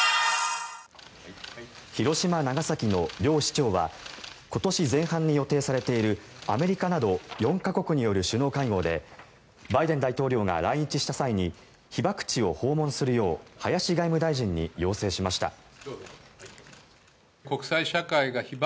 広島、長崎の両市長は今年前半に予定されているアメリカなど４か国による首脳会合でバイデン大統領が来日した際に被爆地を訪問するよう林外務大臣に要請しました。